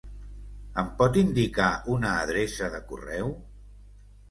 Em pot indicar una adreça de correu?